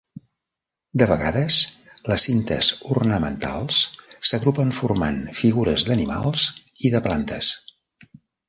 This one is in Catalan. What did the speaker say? De vegades, les cintes ornamentals s'agrupen formant figures d'animals i de plantes.